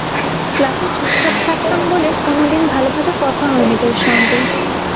ক্লাসে চুপচাপ থাকতাম বলে কোনো দিন ভালোভাবে কথা হয়নি তোর সঙ্গে।